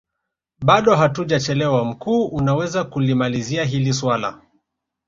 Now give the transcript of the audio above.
bado hatujachelewa mkuu unaweza kulimalizia hili suala